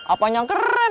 apa yang keren